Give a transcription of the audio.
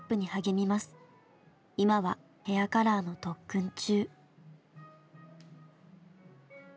今はヘアカラーの特訓中。